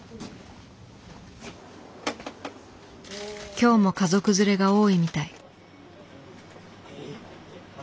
今日も家族連れが多いみたい。